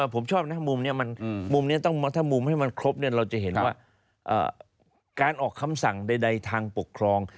ผมชอบนะมุมนี้มุมนี้ถ้ามุมให้มันครบเราจะเห็นว่าการออกคำสั่งใดทางปกครอง